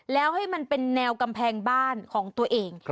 แล้วให้มันเป็นแนวกำแพงบ้านของตัวเอง